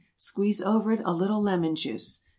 Squeeze over it a little lemon juice.